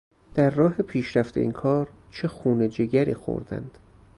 در راه پیشرفت این کار چه خون جگری خوردند.